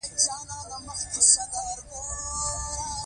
هغه مالیات یې هم پر وخت نه رسول.